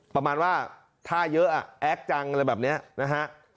ประมาณว่าถ้าเยอะแอ๊กจังอะไรแบบนี้นะฮะ